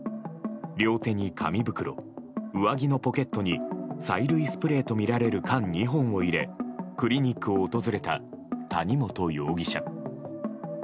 両手に紙袋、上着のポケットに催涙スプレーとみられる缶２本を入れクリニックを訪れた谷本容疑者。